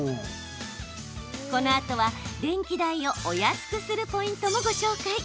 このあとは電気代をお安くするポイントもご紹介。